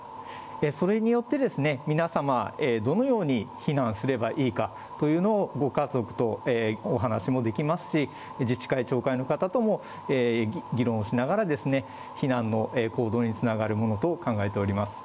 それによってですね、皆様、どのように避難すればいいかというのを、ご家族とお話をできますし、自治会、町会の方とも議論しながら、避難の行動につながるものと考えております。